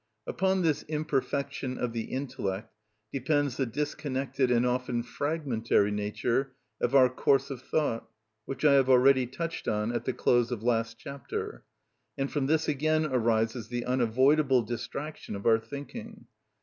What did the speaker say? Upon this imperfection of the intellect depends the disconnected and often fragmentary nature of our course of thought, which I have already touched on at the close of last chapter; and from this again arises the unavoidable distraction of our thinking.